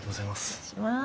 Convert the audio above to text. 失礼します。